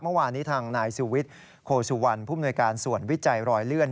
เมื่อวานนี้ทางนายสุวิทย์โคสุวรรณผู้มนวยการส่วนวิจัยรอยเลื่อน